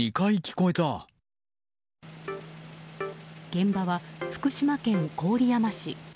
現場は福島県郡山市。